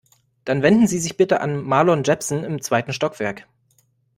Dann wenden Sie sich bitte an Marlon Jepsen im zweiten Stockwerk.